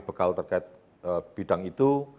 bekal terkait bidang itu